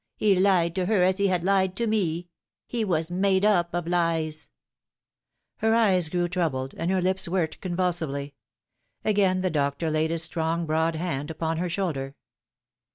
He lied to her as he had lied to me. He was made up of lies." Her eyes grew troubled, and her lips worked convulsively. Again the doctor laid his strong broad hand upon her shoulder.